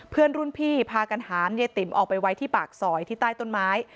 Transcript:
เพื่อนรุ่นพี่พากันหามเยติ๋มออกไปไว้ที่ปากซอยที่ใต้ต้นไม้